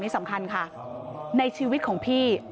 นี่สำคัญค่ะในชีวิตของพี่